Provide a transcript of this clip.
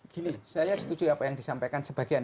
gini saya setuju apa yang disampaikan sebagian